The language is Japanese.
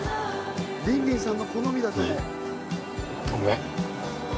リンリンさんの好みだと思う。